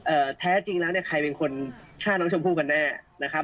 แท้จริงแล้วเนี่ยใครเป็นคนฆ่าน้องชมพู่กันแน่นะครับ